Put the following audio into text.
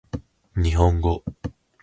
日本語